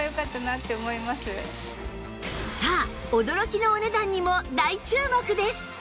さあ驚きのお値段にも大注目です！